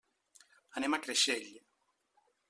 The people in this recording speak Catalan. Anem a Creixell.